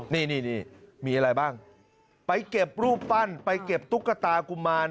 นี่นี่มีอะไรบ้างไปเก็บรูปปั้นไปเก็บตุ๊กตากุมาร